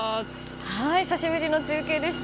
久しぶりの中継でした。